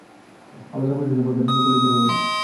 আমাদের অপারেশন সম্পর্কে পুলিশদের বলুন।